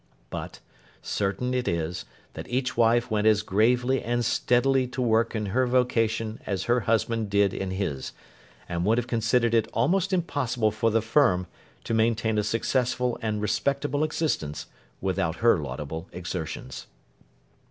But, certain it is, that each wife went as gravely and steadily to work in her vocation as her husband did in his, and would have considered it almost impossible for the Firm to maintain a successful and respectable existence, without her laudable exertions.